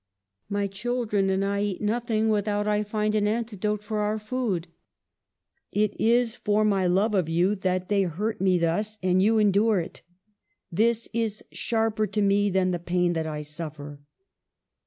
My children and I eat nothing without I find an antidote for our food. It is for my love of you that they hurt me thus ; and you endure it. This is sharper to me than the pain that I suffer."